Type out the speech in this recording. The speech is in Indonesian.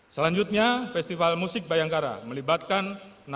selanjutnya festival musik bayangkara melibatkan enam ratus tujuh puluh enam musik jalanan